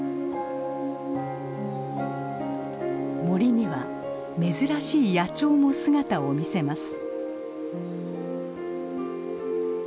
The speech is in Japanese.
森には珍しい野鳥も姿を見せます。